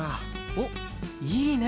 おっいいね。